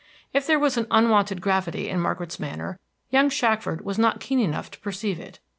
If there was an unwonted gravity in Margaret's manner, young Shackford was not keen enough to perceive it.